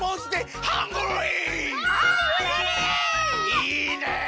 いいね！